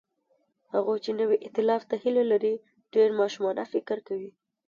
هغوی چې نوي ائتلاف ته هیله لري، ډېر ماشومانه فکر کوي.